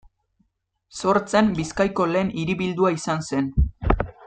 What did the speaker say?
Sortzen Bizkaiko lehen hiribildua izan zen.